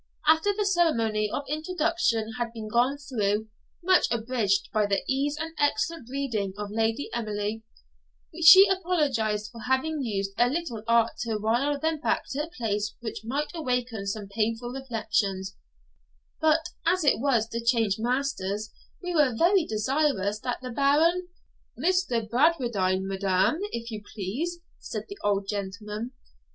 After the ceremony of introduction had been gone through, much abridged by the ease and excellent breeding of Lady Emily, she apologised for having used a little art to wile them back to a place which might awaken some painful reflections 'But as it was to change masters, we were very desirous that the Baron ' 'Mr. Bradwardine, madam, if you please,' said the old gentleman.